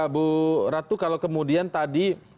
bu ratu kalau kemudian tadi